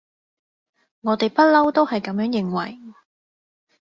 我哋不溜都係噉樣認為